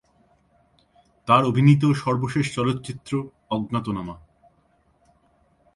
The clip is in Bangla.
তার অভিনীত সর্বশেষ চলচ্চিত্র "অজ্ঞাতনামা"।